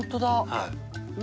はい。